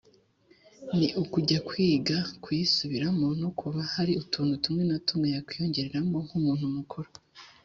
ni ukujya kwiga kuyisubiramo no kuba hari utuntu tumwe na tumwe yakwiyongereramo nk'umuntu mukuru.